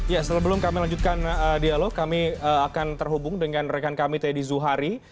ya sebelum kami lanjutkan dialog kami akan terhubung dengan rekan kami teddy zuhari